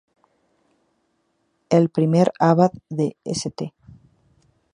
El primer abad de St.